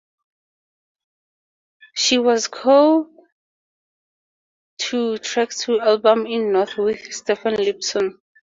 She also co-wrote two tracks for the album in London with Stephen Lipson.